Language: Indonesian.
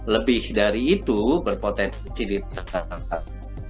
lebih dari itu berpotensi di jalan tol